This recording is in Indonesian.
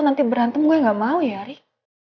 nanti berantem gue gak mau ya ari